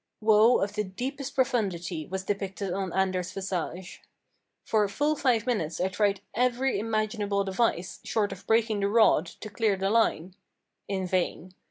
Woe, of the deepest profundity, was depicted on Anders' visage! For full five minutes I tried every imaginable device, short of breaking the rod, to clear the line in vain.